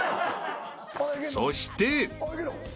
［そして］